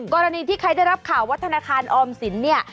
กรณีที่ใครได้รับข่าวว่าธนาคารออมสินเนี่ย